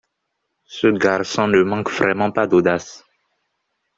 Ce garçon ne manque vraiment pas d'audace.